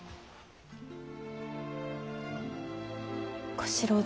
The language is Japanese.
小四郎殿。